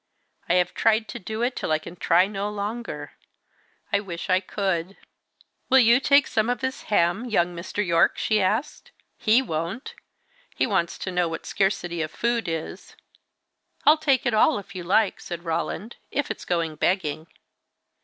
"I have tried to do it till I can try no longer. I wish I could." "Will you take some of this ham, young Mr. Yorke?" she asked. "He won't. He wants to know what scarcity of food is!" "I'll take it all, if you like," said Roland. "If it's going begging."